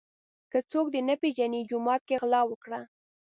ـ که څوک دې نه پیژني جومات کې غلا وکړه.